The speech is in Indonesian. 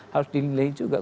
harus dinilai juga